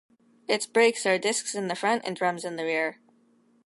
Its brakes are discs in the front and drums in the rear.